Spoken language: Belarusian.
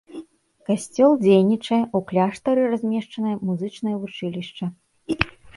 Касцёл дзейнічае, у кляштары размешчанае музычнае вучылішча.